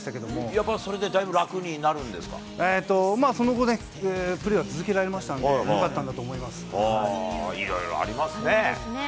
やっぱ、それでだいぶ楽になその後ね、プレーは続けられましたんでね、いろいろありますね。